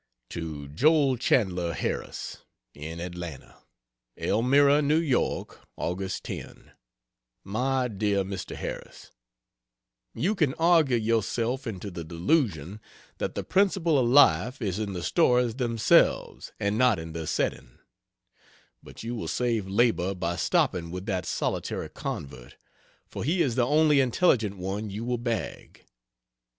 To Joel Chandler Harris, in Atlanta: ELMIRA, N.Y., Aug. 10. MY DEAR MR. HARRIS, You can argue yourself into the delusion that the principle of life is in the stories themselves and not in their setting; but you will save labor by stopping with that solitary convert, for he is the only intelligent one you will bag.